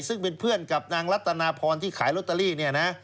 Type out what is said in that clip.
ซึ่งเป็นเพื่อนกับนางรัตนาพรที่ขายลอตเตอรี่เนี่ยนะ